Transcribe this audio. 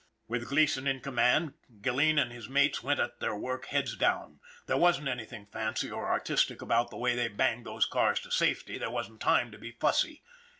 With Gleason in command, Gilleen and his mates went at their work heads down. There wasn't any thing fancy or artistic about the way they banged those cars to safety there wasn't time to be fussy.